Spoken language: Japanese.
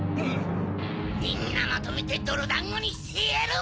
みんなまとめてどろだんごにしてやる！